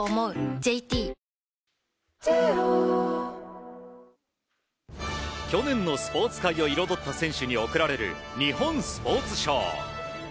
ＪＴ去年のスポーツ界を彩った選手に贈られる日本スポーツ賞。